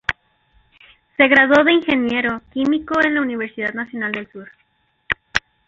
Se graduó de Ingeniero Químico en la Universidad Nacional del Sur.